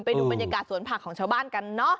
ไปดูบรรยากาศสวนผักของชาวบ้านกันเนอะ